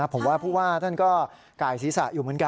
ผมว่าผู้ว่าท่านก็ไก่ศีรษะอยู่เหมือนกัน